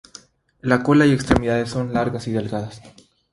La cola y extremidades son largas y delgadas.